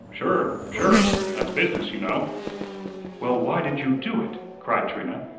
"Sure, sure. That's business, you know." "Well, why did you DO it?" cried Trina.